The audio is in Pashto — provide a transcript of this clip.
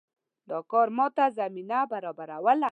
دا کار ماته زمینه برابروله.